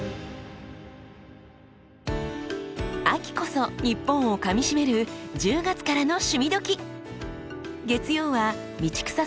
秋こそニッポンをかみしめる１０月からの「趣味どきっ！」。